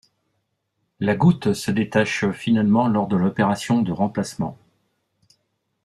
La goutte se détache finalement lors de l'opération de remplacement.